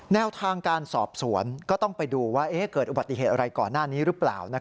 แนวทางการสอบสวนก็ต้องไปดูว่าเกิดอุบัติเหตุอะไรก่อนหน้านี้หรือเปล่า